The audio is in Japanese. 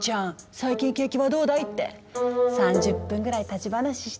最近景気はどうだい？」って３０分ぐらい立ち話してさ。